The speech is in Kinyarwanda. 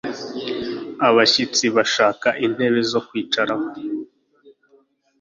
Abashyitsi Bashaka intebe zo kwicaraho.